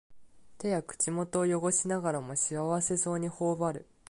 手や口元をよごしながらも幸せそうにほおばる